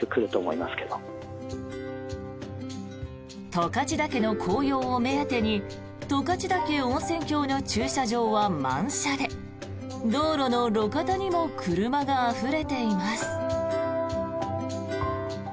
十勝岳の紅葉を目当てに十勝岳温泉郷の駐車場は満車で道路の路肩にも車があふれています。